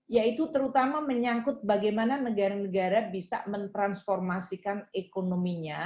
yaitu terutama menyangkut bagaimana negara negara bisa mentransformasikan ekonominya